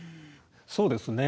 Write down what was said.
そうですね。